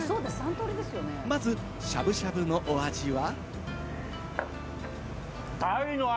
まず、しゃぶしゃぶのお味は。